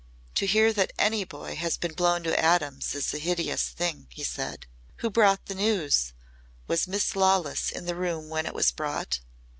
"To hear that any boy has been blown to atoms is a hideous thing," he said. "Who brought the news? Was Miss Lawless in the room when it was brought?"